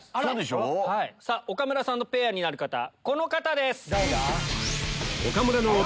岡村さんとペアになる方この方です！